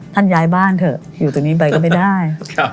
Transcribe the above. ย้ายบ้านเถอะอยู่ตรงนี้ไปก็ไม่ได้